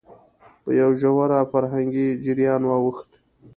په يوه ژور فرهنګي جريان واوښت،